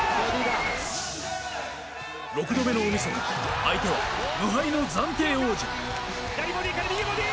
６度目の大みそか、相手は無敗の暫定王者。